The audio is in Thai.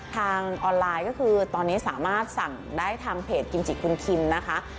ทางออนไลน์ก็คือตอนนี้สามารถสั่งได้ทางเพจกิมจิคุณคิมนะคะ